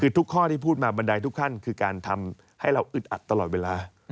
คือทุกข้อที่พูดมาบันไดทุกขั้นคือการทำให้เราอึดอัดตลอดเวลา